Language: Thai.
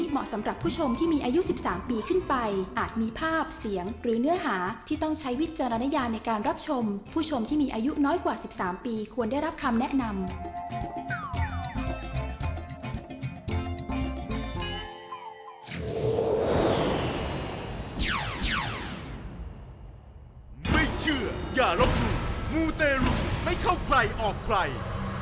ไม่เชื่ออย่ารบหลุมมูเตรุไม่เข้าใครออกใคร